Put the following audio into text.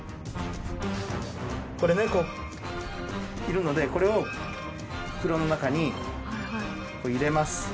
これねこういるのでこれを袋の中に入れます。